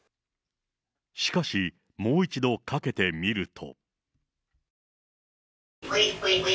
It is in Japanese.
しかし、もう一度かけてみると。